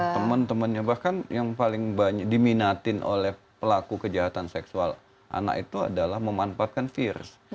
teman temannya bahkan yang paling diminatin oleh pelaku kejahatan seksual anak itu adalah memanfaatkan virus